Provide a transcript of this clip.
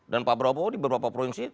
dan pak brawobodi berapa provinsi